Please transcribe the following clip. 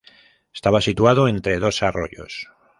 Estaba situado entre dos arroyos.